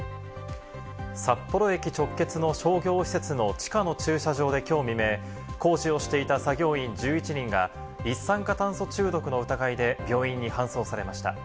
札幌駅直結の商業施設の地下の駐車場できょう未明、工事をしていた作業員１１人が一酸化炭素中毒の疑いで病院に搬送されました。